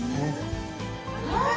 ・はい。